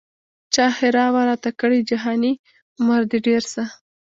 چا ښرا وه راته کړې جهاني عمر دي ډېر سه